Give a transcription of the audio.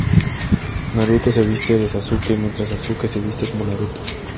Naruto se viste como Sasuke, mientras Sasuke se viste como Naruto.